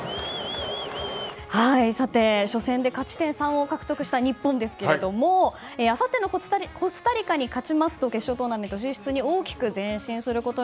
さて、初戦で勝ち点３を獲得した日本ですがあさってのコスタリカに勝ちますと決勝トーナメント進出に大きく前進します。